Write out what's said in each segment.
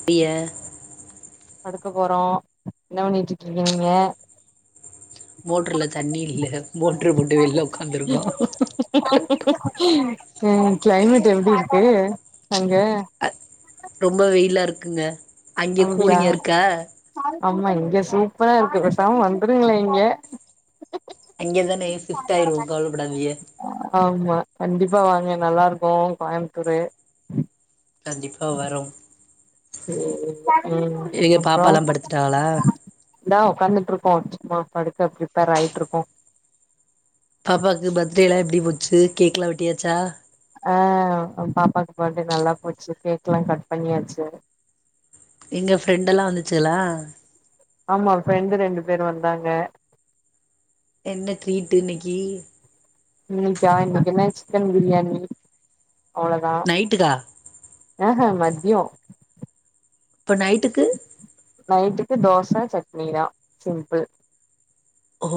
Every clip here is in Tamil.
அப்டியா படுக்க போறோ என்ன பண்ணிட்டு இருக்கீங்க நீங்க மோட்ர்ல தண்ணி இல்ல மோட்ரு போட்டு வெளில உக்காந்துருக்கோ ம் கிளைமேட் எப்டி இருக்கு அங்க ரொம்ப வெயிலா இருக்குங்க அங்க அப்டியா கூலிங்கா இருக்கா ஆமா இங்க சூப்பரா இருக்கு பேசாம வந்துருங்களே இங்க அங்கதானே ஷிப்ட் ஆயுடுவோ கவலபடாதிக ஆமா கண்டிப்பா வாங்க நல்லா இருக்கு கோயம்புத்தூரு கண்டிப்பா வரோம் ம் எங்க அப்றோ பாப்பாலா படுத்துட்டாங்களா இதா உட்காந்துட்டு இருக்கோ சும்மா படுக்க ப்ரிப்பேர் ஆயிட்டு இருக்கோ பாப்பாக்கு பத்டே எல்லா எப்டி போச்சு கேக்ல்லா வெட்டியாச்சா ஆ பாப்பாக்கு பட்டே நல்லா போச்சு கேக் எல்லா கட் பண்ணியாச்சு எங்க ஃப்ரெண்ட் எல்லா வந்துச்சுகளா ஆமா ஃப்ரெண்டு ரெண்டு பேரு வந்தாங்க என்ன ட்ரீட்டு இன்னைக்கி இன்னைக்கா இன்னைக்கு என்ன சிக்கன் பிரியாணி அவ்ளதா நைட்டுக்கா ஏஹே மத்யோ இப்போ நைட்டுக்கு நைட்டுக்கு தோச சட்னி தா சிம்பிள் ஓ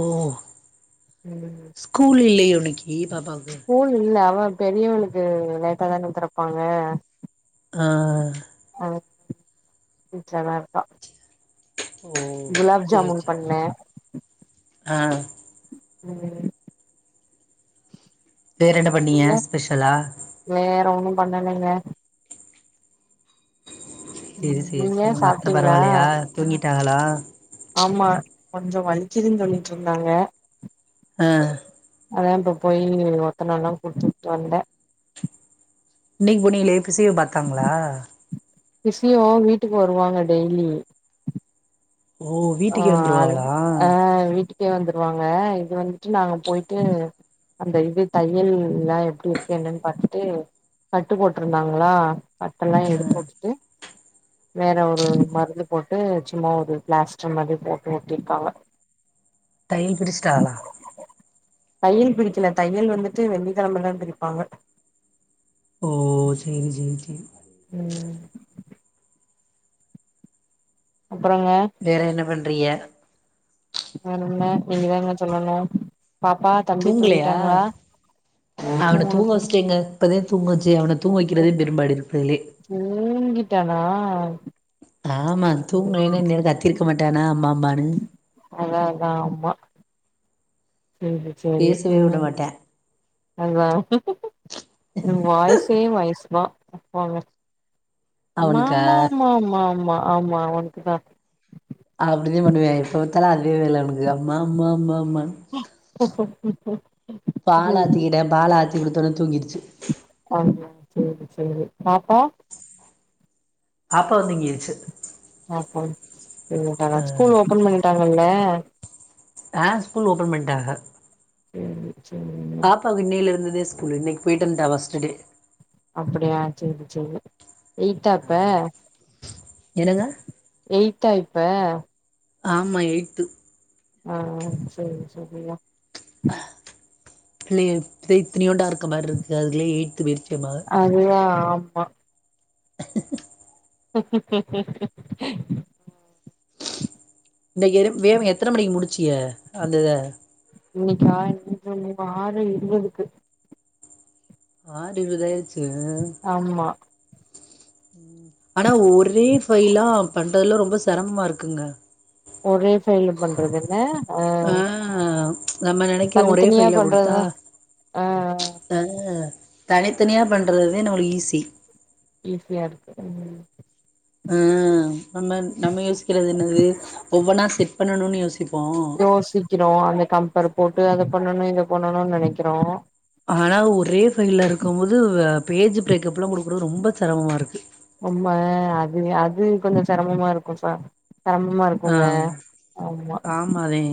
ம் ஸ்கூல் இல்லயோ இன்னைக்கு பாப்பாக்கு ஸ்கூல் இல்ல அவ பெரியவனுக்கு லேட்டா தானத்துரப்பாங்க ஆ அவ வீட்லதா இருக்கா ஓ குலாப் சேரி ஜாமுன் சேரி பண்ணே ஆ ம் வேற என்ன பண்ணீங்க நீங்க ஸ்பெஷலா வேற ஒண்ணு பண்ணலேங்க சேரி சேரி நீங்க சேரி உங்க அத்த சாப்ட்டீங்களா பரவாலயா தூங்கிட்டாகலா ஆமா கொஞ்ச வலிக்கிதுன்னு சொல்லிட்டு இருந்தாங்க ஆ அதா இப்ப போய் ஒத்தனல்லா குடுத்துட்டு வந்தே இன்னக்கி போனிலே பிசியோ பாத்தாங்களா பிசியோ வீட்டுக்கு வருவாங்க டெய்லி ஓ ஆ வீட்டுக்கே அது வந்துருவாகளா ஆ வீட்டுக் கே வந்துருவாங்க இது வந்துட்டு நாங்க போய்ட்டு அந்த இது தையல் எல்லா எப்டி இருக்கு என்னன்னு பாத்துட்டு கட்டு போட்டிருந்தாங்களா கட்டெல்லா ஆ எடுத்து உட்டுட்டு வேற ஒரு மருந்து போட்டு சும்மா ஒரு பிளாஸ் ச்ச மாரி போட்டு ஒட்டிருக்காங்க தையல் பிரிச்சிடாகளா தையல் பிரிக்கல தையல் வந்துட்டு வெள்ளிக்கெழமதா பிரிப்பாங்க ஓ செரி செரி செரி ம் அப்பறங்க வேற என்ன பண்றிய வேறென்ன நீங்கதாங்க சொல்லணு பாப்பா தம்பி தூங்கலையா தூங்கிட்டாங்களா அவன தூங்க வச்சிட்டேங்க இப்பதா தூங்க வச்சே அவன தூங்க வக்கிறதே பெரும்பாடு இருக்கதுலே தூங்கிட்டானா ஆமா சேரி தூங்கலேன்னா என்னே சேரி கத்திருக்க மாட்டானா அம்மா அம்மான்னு அதா அதா ஆமா ம் செரி பேசவே விட ம் மாட்டே அதா உங்க வாய்சே வாய்சு தா போங்க அம் மா அவனுக்கா மா மா மா மா ஆமா ஒனக்குதா அப்டிதா பண்ணுவே எப்ப பாத்தாலு அதே வேல அவனுக்கு அம்மா அம்மா அம்மா அம்மா பாலாத்திக்கிட்டே பாலாத்தி குடுத்தோனே தூங்கிருச்சு அப்டியா செரி செரி பாப்பா பாப்பாவு தூங்கிருச்சு அப்றோ என்ன கத ஸ்கூல் ஓப்பன் பண்ணிட்டாங்கல்ல ஆ ஸ்கூல் ஓப்பன் பண்டாக செரி செரிங்க பாப்பாக்கு இன்னையில இருந்துதே ஸ்கூலு இன்னைக்கு போயிட்டு வன்டா ஃபஸ்ட்டு டே அப்டியா செரி செரி எய்த்தா இப்ப என்னங்க எய்த்தா இப்ப ஆமா எய்த்து ஆ செரி செரிமா பிள்ளைக இத் இத்துனியோண்டா இருக்க மாரி இருக்கு அதுலயே எய்த் போய்ர்ச்சி எ மக அதுதா ஆமா [inaudible] [inaudible] இந்த எறும் வேவ எத்தன மணிக்கு முடிச்சிய அந்த இத இன்னைக்கா இன்று ம்பா ஆறு இருவதுக்கு ஆறு இருவதாச்சா ஆமா ஆனா ஒரே ஃபைலா பண்றதுலா ரொம்ப செரமமா இருக்குங்க ஒரே ஃபைல்ல பண்றதுல ஆ நம்ம நெனைக்குறோ ஒரே தனித்தனியா ஃபைல குடுத்தா பண்றதுதா ஆ தனித்தனியா பண்றதுதே நம்மளு ஈஸி ஈஸியா இருக்கு ஆ நம்ம நம்ம யோசிக்கிறது என்னது ஒவ்வொன்னா செட் பண்ணணுன் யோசிக் யோசிக்கிறோ அந்த கம்பர் போட்டு அத பண்ணணு இத பண்ணணுன் நெனைக்கிறோ ஆனா ஒரே ஃபைல்ல இருக்குபோது பேஜ் பிரேக்கப்ல்லா குடுக்குற ரொம்ப செரமமா இருக்கு ரொம்ப அது அது கொஞ்சோ செரமமா இருக்குப்ப செரமமா இருக் ஆ ஆமாதே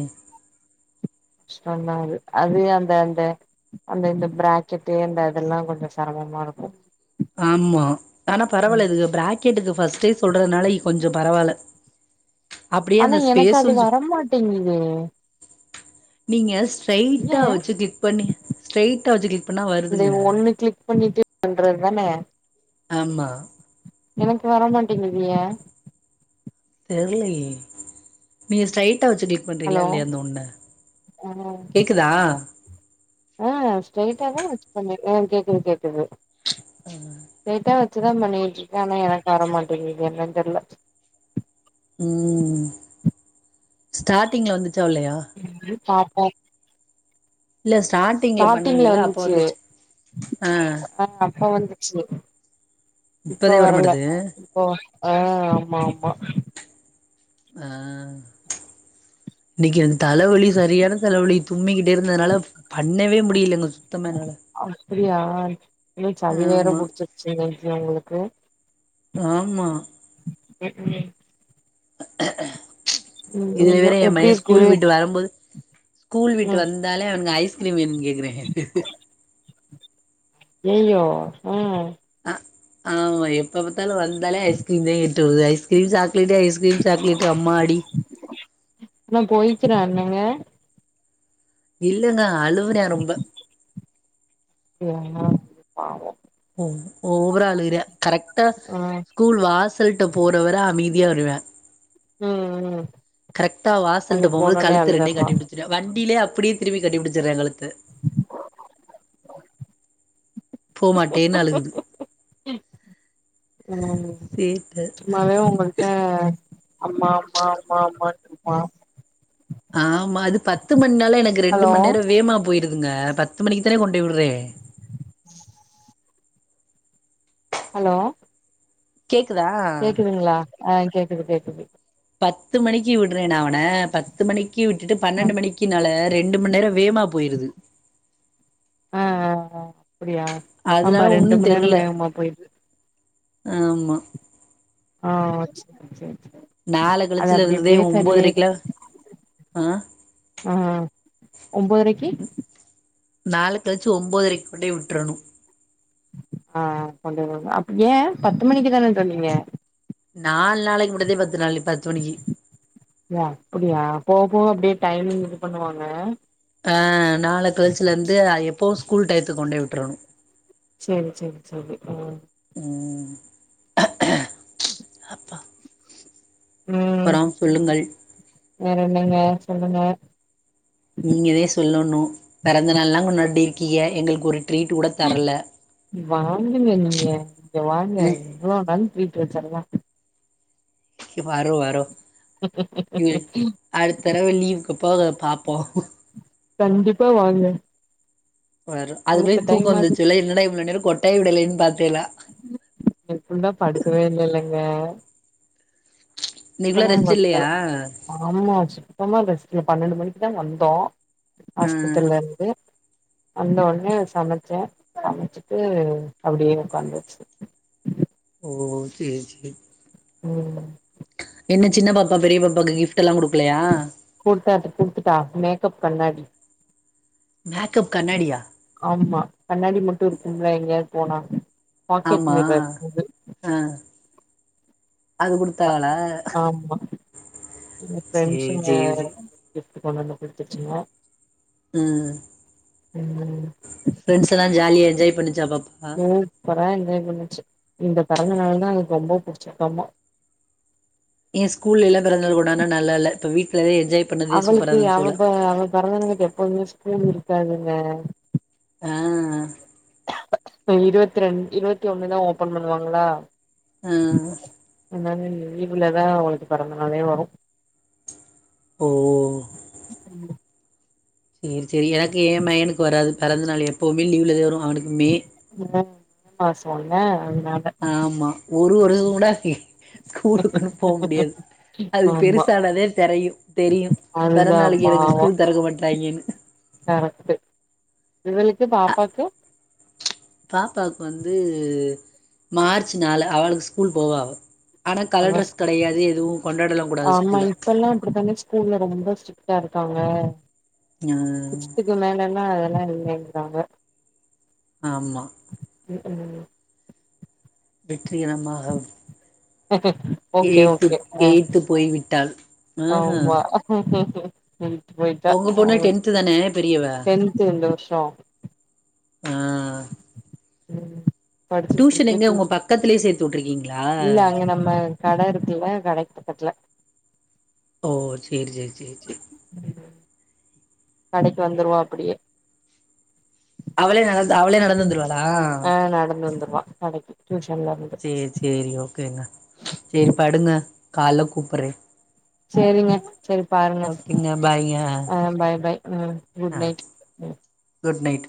கஷ்டந்தா அது அது அந்த அந்த அந்த இந்த பிராக்கெட்டு எந்த இதெல்லா கொஞ்சோ செரமமாருக்கு ஆமா ஆனா பரவால்ல இது ப்ராக்கெட்டுக்கு ஃபர்ஸ்ட்டே சொல்றதுனால கொஞ்சோ பரவால்ல அப்டியே ஆனா அந்த எனக்கு அது ஸ்பேஸு வரமாட்டேங்குதே நீங்க ஏ ஸ்ட்ரெய்ட்டா வச்சு கிளிக் பண்ணி ஸ்ட்ரெய்ட்டா வச்சு கிளிக் பண்ணா இந்த வருதுங்க ஒண்ணு கிளிக் பண்ணிட்டு பண்றத் தான ஆமா எனக்கு வரமாட்டேங்குதே தெர்லயே நீங்க ஸ்ட்ரைட்டா வச்சு டீ பண்றீங்ளா ஹலோ இல்லயா அந்த ஒன்ன ஆ கேக்குதா ஆ ஸ்ட்ரெய்ட்டாதா வச்சு பண்ண அ கேக்குது கேக்குது ம் ஸ்ட்ரயிட்டா வச்சுதா பண்ணிட்ருக்கே ஆனா எனக்கு வர மாட்டேங்குது என்னன் தெர்ல ம் ஸ்டார்ட்டிங் வந்துச்சா இல்லயா இன்று பாப்பா இல்ல ஸ்டாட் ஸ்டார்டிங்ல வந்துச்சு ஆ ஆ அப்ப வந்துச்சு இப்ப இப்பதே வரல வரமாட்டது இப்ப ஆ ஆமா ஆமா ஆ இன்னிக்கி எந் தலவலி சரியான தலவலி தும்மிகிட்டே இருந்தனால பண்ணவே முடியலங்க சுத்தமா என்னால அப்டியா இனும் சளி வேற ஆமா புட்ச்சிருச்சுங்க [inaudible] உங்களுக்கு ஆமா ஏற்க்னவே இதுல ஐயோ வேற எப்டி எம்பயன் இருக்கு ஸ்கூல் விட்டு வரம்போது ஸ்கூல் விட்டு ம் வந்தாலே அவ்னுங்க ஐஸ்கிரீம் வேணுன் கேக்குறாங்க ஐய்யயோ ம் அ ஆமா எப்ப பாத்தாலு வந்தாலே ஐஸ்கிரீம் தா கேட்டுவ ice cream chocolate ice cream chocolate அம்மாடி இவ போய்கிறா என்னங்க இல்லங்க அழுவுறா ரொம்ப ஏங்க பாவொ ஒவ் ஓவரா அழுகுறே கரெக்டா ஆ ஸ்கூல் வாசல்ட்ட போறவர அமைதியா வருவெ ம் ம் கரெக்டா வாசல்ட்ட அங்குட்டு போம்போது போனோனே கழுத்து ரெண்டயு அழுதர்றா கட்டிபுடிச்சிட்டு வண்டிலே அப்டியேதிரும்பி கட்டிபுடிச்சிற்றே கழுத்த போமாட்டேன்னு அழுகுது சேட்ட ட அம்மா அம்மா அம்மா அம்மான்ட்ருப்பா ஆமா அது பத்து மண்நால எனக்கு ரெண்டு ஹலோ மண் நேர வேமா போயிருதுங்க பத்து மணிக்கு தானெ கொண்டே விட்றே [inaudible] ஹலோ கேக்குதா கேக்குதுங்ளா ஆ கேக்குது கேக்குது பத்து மணிக்கி விட்றே நா அவன பத்து மணிக்கி விட்டுட்டு ஆ பன்னெண்டு மணிக்கி நால ரெண்டு மண் நேரோ வேமா போயிருது ஆ ஆ ஆ அப்டியா ஆமா அதனால ரெண்டு ஒன்னு மண்நேரோ தெர்ல வேகமா போயிருது ஆமா ஆ செரி செரி செரி நால கழிச்சுலேருந்துதே ஒம்போதரை கிலா ஆ ஆ ஒம்போதரைக்கி நாள கழிச்சி ஒம்போதரைக் கொண்டே உட்றணு ஆ கொண்டு விடனு அப்ப ஏ பத்து மணிக்கி தான சொன்னீங்க நால் நாளைக்கி மட்டுந்தே பத்து நாளு பத்து மணிக்கி ஓ அப்டியா போக போக அப்டியே டைமிங் இது பண்ணுவாங்க ஆ நால கழிச்சலருந்து எப்போவு ஸ்கூல் டையத்துக்கு கொண்டே விட்றணு சேரி சேரி சேரி ஆ ம் அப்பா ம் அப்பறொ சொல்லுங்கள் வேற என்னங்க சொல்லுங்க நீங்கதே சொல்லணு பெறந்த நாள்லா கொண்டாடி இருக்கீங்க எங்களுக்கு ஒரு ட்ரீட்டு கூட தரல வாங்குங்க நீங்க இங்க வாங்க ம் எவ்ளோ நாலு ட்ரீட்டு வச்சர்லா வறோ வறோ இ அடுத்தடவ லீவுக்கு போக பாப்போ கண்டிப்பா வாங்க வர அதுக்குல அடுத்த தூக்கம் டைமாது வந்துச்சு இல்ல என்னடா இவ்ளோ நேரோ கொட்டாய் விடலனு பாத்தேலா [unintelligible] ஃபுல்லா படுக்கவே இல்லலங்க இன்னைக்குள்ள சுத்தமா ரெஸ்ட் பத்தல இல்லையா ஆமா சுத்தமா ரெஸ்டுல்ல பன்னெண்டு மணிக்கி தா வந்தோ ஆ ஹாஸ்பிட்டலருந்து வந்த ஒன்னே சமைச்சே சமைச்சிட்டு அப்டியே உக்காந்துச்சு ஓ சேரி சேரி ம் என்ன சின்ன பாப்பா பெரிய பாப்பாக்கு கிஃப்ட் எல்லா குடுக்கலயா குடுத்தாட் குடுத்துட்டா மேக்கப் கண்ணாடி மேக்கப் கண்ணாடியா ஆமா கண்ணாடி மட்டு இருக்கும்ல எங்கேயாது போனா பாக்கெட் ஆமா மிரர் இது அ அது குடுத்தாகலா ஆமா எங்க சேரி ஃப்ரெண்ட்ஸுங்க சேரி சேரி கிஃப்ட் கொண்டு வந்து குடுத்துச்சுங்க ம் ம் ஃபிரண்ஸ்ல்லா ஜாலியா என்ஜாய் பண்ணிச்சா பாப் சூப்பரா என்ஜாய் பண்ணுச்சு இந்த பெறந்த நாள் தா அதுக்கு ரொம்ப புடிச்சிருக்காமா எ ஸ்கூல்ல லா பிறந்த நாள் கொண்டான்னா நல்ல இல்ல இப்ப வீட்ல தா என்ஜாய் பண்ணதே சூப்பரா அவளுக்கு இருந்துச்சு அவ போல அவ பிறந்த நாளுக்கு எப்போதுமே ஸ்கூல் இருக்காதுங்க ஆ இப்ப இருவத் ரெண் இருவத்தி ஒண்ணுதா ஓப்பன் பண்ணுவாங்களா அ அதனால லீவுலதா அவளுக்கு பெறந்த நாளே வரோ ஓ [inaudible] சேர் சேரி எனக்கு ஏ பையனுக்கு வராது பெறந்த நாள் எப்வுமே லீவ்ல தா வரோ அவனுக்கு மே மே மே மாசோல்ல அதனால ஆமா ஒரு வருசோங் கூட ஸ்கூலுக்குன்னு போவ் முடியாது அதுக்கு ஆமா பெருசானதே தெரயூ தெரியூ அதுதா பெறந்தாளைக்கி எனக்கு ஸ்கூல் தெறக்க மாட்டறாங்கன்னு கரெக்டு இவளுக்கு பாப்பாக்கு பாப்பாக்கு வந்து மார்ச் நாலு அவளுக்கு ஸ்கூல் போவ ‌அவ ஆனா அவ கலர்ட்ரெஸ் கெடயாது எதுவும் கொண்டாடல்லா கூடாது ஸ்கூல்ல எல்லா அப்டிதா [unintelligible] ஸ்கூல்ல ரொம்ப ஸ்ட்ரிக்ட்டா இருக்காங்க ஆ இல்ல வோண்டான அதெல்லா இல்லைங்கராங்க ஆமா ம் ம் வெற்றி இனமாகவ் ஓகே ஓகே எய்த்துப் ஆ எய்த்து போய் விட்டாள் அ ஆ எயித் போயிட்டா பொண்ணு டென்த்து தானே பெரியவ டென்த் டென்த் இந்த வருஷோ ஆ ம் படிச்சுட்டு டியூஷன் இருக்கு எங்க ட்யூ உங்க பக்கத்துலயே சேத்து வுட்ருக்கீங்களா இல்ல அங்க நம்ம கடை இருக்குல்ல கடைக்கு பக்கத்துல ஓ சேர் சேரி சேரி சேர் ம் கடைக்கு வந்துருவா அப்படியே அவளே நடந் அவளே நடந்து வந்துருவாள் ஆஹ் நடந்து வந்துருவான் கடைக்கு டியூஷன்ல இருந் சேர் சேரி ஓகேங்க சரி படுங்க கால்ல கூப்பிட்றே சரிங்க சரி பாருங்க ஓகேங்க பாய்ங்க ஆ பை பை ம் குட் ஆ நைட் ம் குட் நைட்